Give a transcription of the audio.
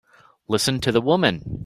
Listen to the woman!